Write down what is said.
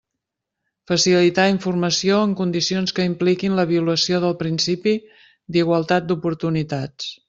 Facilitar informació en condicions que impliquin la violació del principi d'igualtat d'oportunitats.